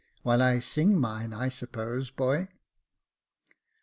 ''While I sing mine, I suppose, boy.